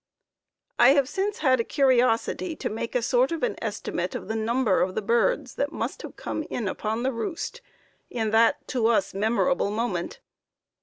"I have since had the curiosity to make a sort of an estimate of the number of the birds that must have come in upon the roost, in that, to us, memorable moment.